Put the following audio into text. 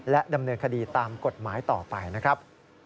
ดำเนินคดีตามกฎหมายต่อไปนะครับ